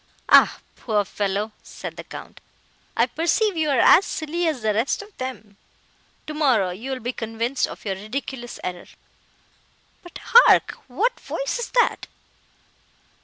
"Ah, poor fellow!" said the Count, "I perceive you are as silly as the rest of them; tomorrow you will be convinced of your ridiculous error. But hark!—what voice is that?"